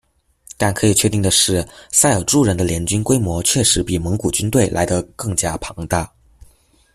但可以确定的是塞尔柱人的联军规模确实比蒙古军队来的更加庞大。